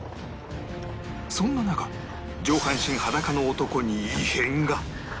そんな中上半身裸の男に異変が